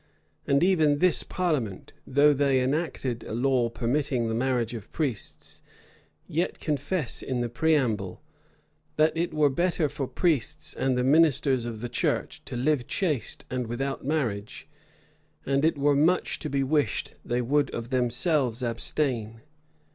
And even this parliament, though they enacted a law permitting the marriage of priests, yet confess in the preamble, "that it were better for priests and the ministers of the church to live chaste and without marriage, and it were much to be wished they would of themselves abstain."